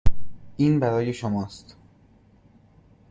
این برای شماست.